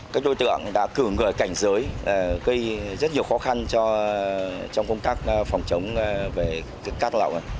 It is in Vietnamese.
các đối tượng đã cử người cảnh giới gây rất nhiều khó khăn trong công tác phòng chống về cát lậu